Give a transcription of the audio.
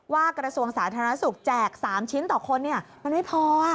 กระทรวงสาธารณสุขแจก๓ชิ้นต่อคนมันไม่พอ